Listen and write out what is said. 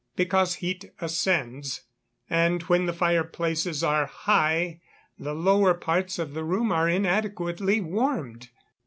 _ Because heat ascends, and when the fire places are high the lower parts of the room are inadequately warmed.